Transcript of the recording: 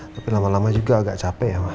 tapi lama lama juga agak capek ya mas